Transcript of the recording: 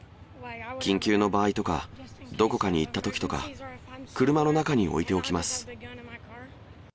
緊急の場合とか、どこかに行ったときとか、車の中に置いておきます。